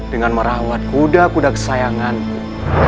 dengan merawat kuda kuda kesayanganku